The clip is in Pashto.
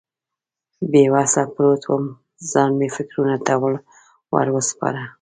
بې وسه پروت وم، ځان مې فکرونو ته ور وسپاره.